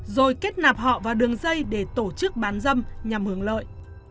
rồi kết nạp họ vào đường dây để tổ chức bán dâm nhằm hưởng lợi